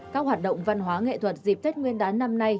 các hoạt động văn hóa nghệ thuật dịp tết nguyên đán năm nay